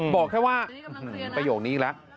บอกแค่ว่าประโยคนี้อีกแล้ว